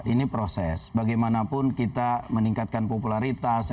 ini proses bagaimanapun kita meningkatkan popularitas